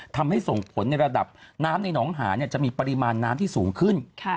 ทำให้ส่งผลในระดับน้ำในหนองหาจะมีปริมาณน้ำที่สูงขึ้น